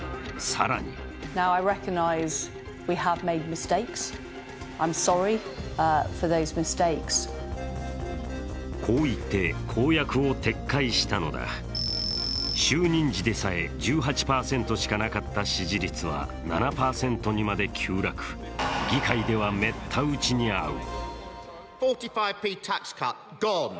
更にこう言って、公約を撤回したのだ就任時でさえ１８％でしかなかった支持率は７％にまで急落、議会ではめった打ちに合う。